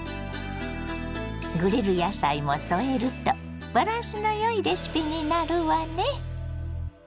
グリル野菜も添えるとバランスのよいレシピになるわね。